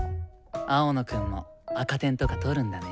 青野くんも赤点とか取るんだね。